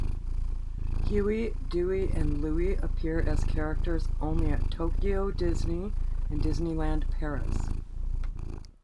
Huey, Dewey and Louie appear as characters only at Tokyo Disney and Disneyland Paris.